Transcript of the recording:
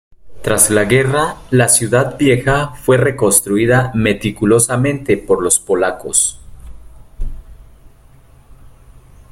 Tras la guerra, la Ciudad Vieja fue reconstruida meticulosamente por los polacos.